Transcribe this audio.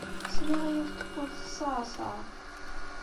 Sliɣ i yiwet n tewwurt teṣṣeɛṣeɛ.